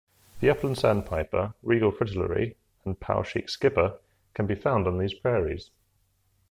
The upland sandpiper, regal fritillary and Poweshiek skipper can be found on these prairies.